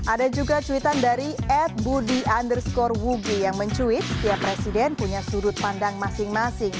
ada juga cuitan dari ed budi underscore wugi yang mencuit setiap presiden punya sudut pandang masing masing